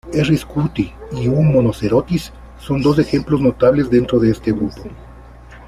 R Scuti y U Monocerotis son dos ejemplos notables dentro de este grupo.